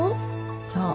そう。